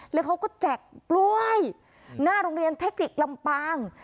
แล้วเขาก็แจกกล้วยหน้าโรงเรียนเทคนิคลำปาง